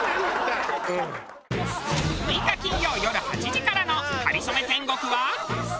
６日金曜よる８時からの『かりそめ天国』は。